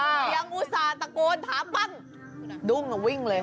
ยังอุตส่าห์ตะโกนถามบ้าง